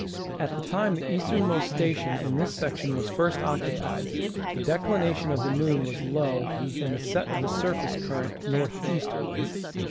At the time the easternmost station in this section was first occupied, the declination of the moon was low and the set of the surface current north easterly.